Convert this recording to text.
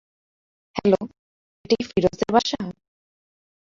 Hello, এটা কি ফিরোজদের বাসা?